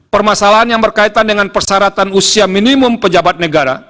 permasalahan yang berkaitan dengan persyaratan usia minimum pejabat negara